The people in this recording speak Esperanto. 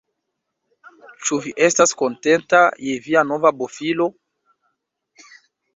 Ĉu vi estas kontenta je via nova bofilo?